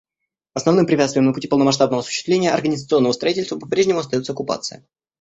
Основным препятствием на пути полномасштабного осуществления организационного строительства по-прежнему остается оккупация.